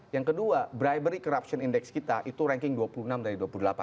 yang kedua bribery corruption index kita itu ranking dua puluh enam dari dua puluh delapan